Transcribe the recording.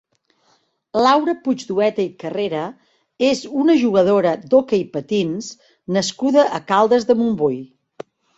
Laura Puigdueta i Carrera és una jugadora d'hoquei patins nascuda a Caldes de Montbui.